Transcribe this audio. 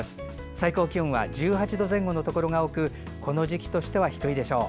最高気温は１８度前後のところが多くこの時期としては低いでしょう。